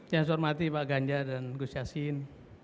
yang saya hormati pak ganjar dan gus yassin